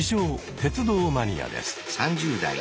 鉄道マニアです。